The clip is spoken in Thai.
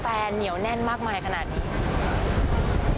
เหนียวแน่นมากมายขนาดนี้